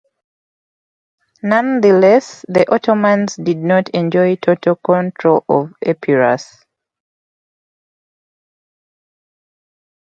Nonetheless, the Ottomans did not enjoy total control of Epirus.